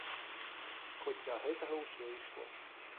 Хоць да гэтага ўсё ішло.